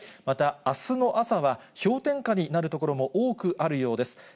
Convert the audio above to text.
また、あすの朝は、氷点下になる所も多くあるようです。